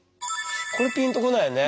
これピンとこないよね。